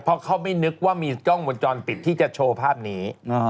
เพราะเขาไม่นึกว่ามีกล้องวงจรปิดที่จะโชว์ภาพนี้